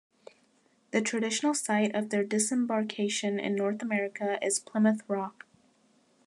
The traditional site of their disembarkation in North America is Plymouth Rock.